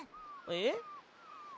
えっ？